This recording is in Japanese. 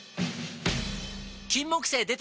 金木犀でた！